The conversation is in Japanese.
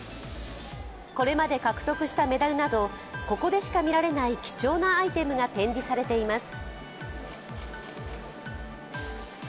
これまで獲得したメダルなどここでしか見られない貴重なアイテムが展示されています。